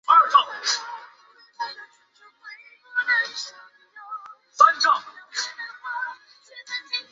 塘南镇是中国江西省南昌市南昌县下辖的一个镇。